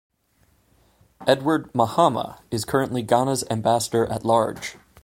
Edward Mahama is currently Ghana's Ambassador-at-Large.